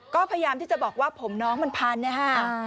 ก็พยายามที่จะบอกว่าผมน้องมันพันนะฮะ